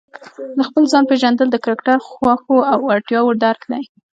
د خپل ځان پېژندل د کرکټر، خوښو او وړتیاوو درک دی.